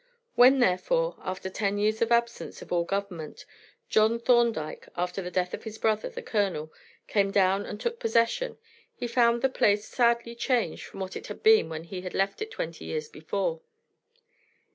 When, therefore, after ten years of absence of all government, John Thorndyke, after the death of his brother, the Colonel, came down and took possession, he found the place sadly changed from what it had been when he had left it twenty years before.